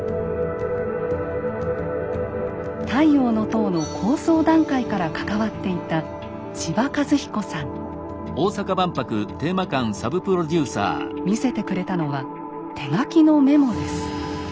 「太陽の塔」の構想段階から関わっていた見せてくれたのは手書きのメモです。